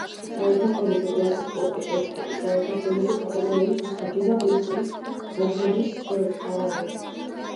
საერთაშორისო კლასის სპორტის ოსტატი, საერთაშორისო კატეგორიის მსაჯი და ღირსების ორდენის კავალერი.